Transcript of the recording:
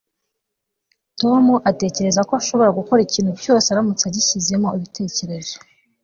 Tom atekereza ko ashobora gukora ikintu cyose aramutse abishyizemo ibitekerezo